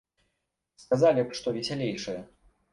Сказалі б што весялейшае!